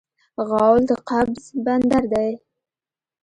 غول د قبض بندر دی.